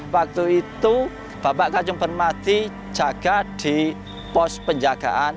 waktu itu bapak kacung permati jaga di pos penjagaan